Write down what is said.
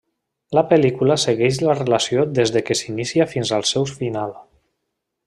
La pel·lícula segueix la relació des que s'inicia fins al seu final.